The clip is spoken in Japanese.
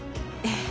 ええ。